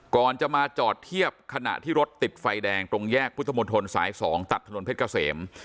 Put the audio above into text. ก่อนจะมาจอดเทียบขณะที่รถติดไฟแดงตรงแยกพุทธมนตรสาย๒ตัดถนนเพชรเกษม